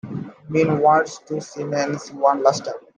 Min wants to see Nancy one last time.